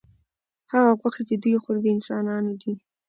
هغه غوښې چې دوی یې خوري، د انسانانو دي.